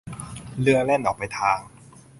เรือแล่นออกไปทาง